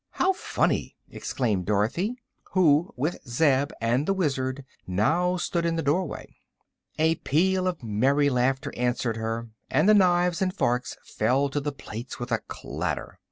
"How funny!" exclaimed Dorothy, who with Zeb and the Wizard now stood in the doorway. A peal of merry laughter answered her, and the knives and forks fell to the plates with a clatter.